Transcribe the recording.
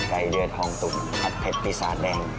ไก่เลือดฮองตุกผัดเผ็ดพิษาแดง